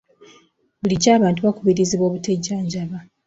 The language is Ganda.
Bulijjo abantu bakubirizibwa obutejjanjaba.